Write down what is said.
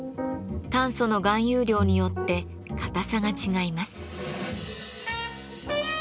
炭素の含有量によって硬さが違います。